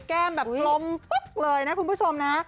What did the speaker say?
แก้มแบบกลมปึ๊กเลยนะคุณผู้ชมนะ